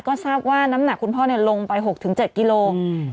ก็ทราบว่าน้ำหนักคุณพ่อลงไป๖๗กิโลกรัม